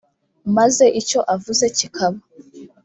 maze icyo avuze kikaba,